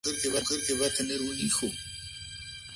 James J. Carson fue el segundo oficial.